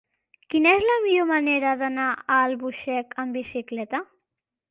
Quina és la millor manera d'anar a Albuixec amb bicicleta?